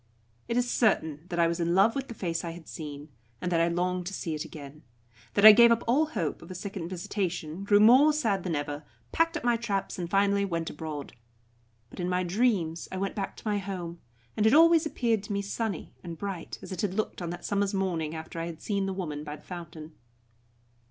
It is certain that I was in love with the face I had seen, and that I longed to see it again; that I gave up all hope of a second visitation, grew more sad than ever, packed up my traps, and finally went abroad. But in my dreams I went back to my home, and it always appeared to me sunny and bright, as it had looked on that summer's morning after I had seen the woman by the fountain.